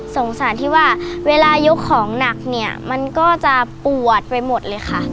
สงสารที่ว่าเวลายกของหนักเนี่ยมันก็จะปวดไปหมดเลยค่ะ